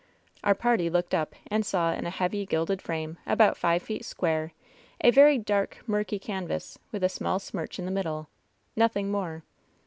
Our party looked up and saw in a heavy, gilded frame, about five feet square, a very dark, murky can vas, with a small smirch in the middle — ^nothing more.